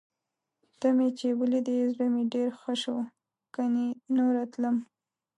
ته مې چې ولیدې، زړه مې ډېر ښه شو. کني نوره تلم.